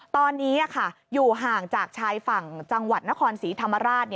ตอนนี้อยู่ห่างจากชายฝั่งจังหวัดนครศรีธรรมราช